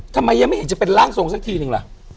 ทำไมยังไม่เห็นจะเป็นร่างทรงสักทีนึงล่ะ